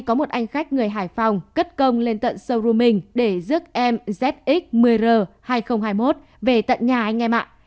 có một anh khách người hải phòng cất công lên tận showroom mình để giúp em zx một mươi r hai nghìn hai mươi một về tận nhà anh em ạ